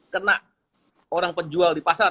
kena orang penjual di pasar